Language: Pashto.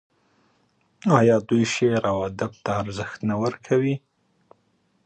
آیا دوی شعر او ادب ته ارزښت نه ورکوي؟